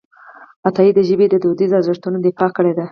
عطایي د ژبې د دودیزو ارزښتونو دفاع کړې ده.